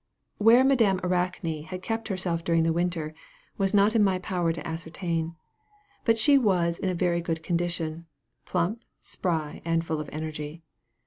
Where Madame Arachne had kept herself during the winter, was not in my power to ascertain; but she was in a very good condition, plump, spry, and full of energy.